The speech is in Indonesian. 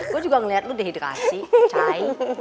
gue juga ngeliat lo dehidrasi